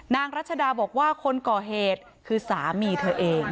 รัชดาบอกว่าคนก่อเหตุคือสามีเธอเอง